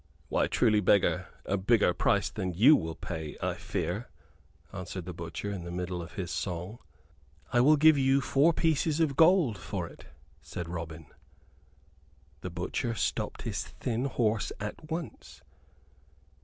"Why, truly, beggar, a bigger price than you will pay, I fear," answered the butcher, in the middle of his song. "I will give you four pieces of gold for it," said Robin. The butcher stopped his thin horse at once.